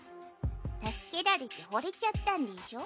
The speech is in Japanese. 助けれられて惚れちゃったんでしょ。